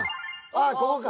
ああここか。